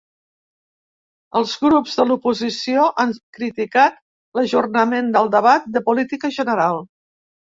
Els grups de l’oposició han criticat l’ajornament del debat de política general.